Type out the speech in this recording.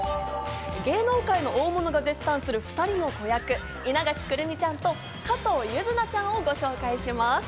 芸能界の大物が絶賛する２人の子役、稲垣来泉ちゃんと加藤柚凪ちゃんをご紹介します。